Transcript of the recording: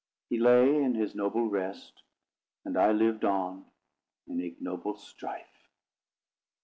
He lay in his noble rest, and I lived on in ignoble strife.